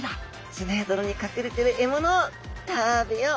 砂や泥に隠れてる獲物を食べよう！